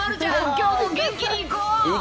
きょうも元気にいこう。